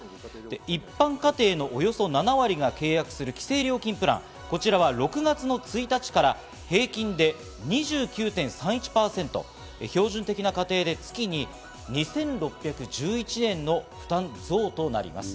一般家庭のおよそ７割が契約する規制料金プラン、こちらは６月１日から平均で２９．３１％、標準的な家庭で月に２６１１円の負担増となります。